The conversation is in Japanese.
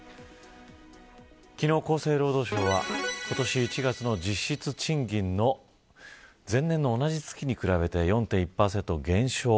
昨日、厚生労働省は今年１月の実質賃金の前年の同じ月に比べて４．１％減少。